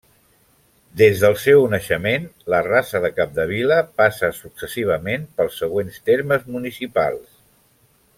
Des del seu naixement, la Rasa de Capdevila passa successivament pels següents termes municipals.